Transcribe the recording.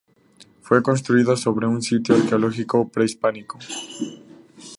Fue construido sobre un sitio arqueológico prehispánico.